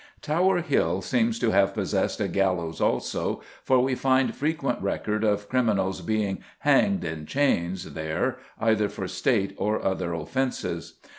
Tower Hill seems to have possessed a gallows also, for we find frequent record of criminals being "hanged in chains" there, either for State or other offences.